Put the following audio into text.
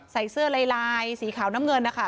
ใส่เสื้อลายลายสีขาวน้ำเงินนะคะ